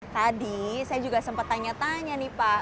tadi saya juga sempat tanya tanya nih pak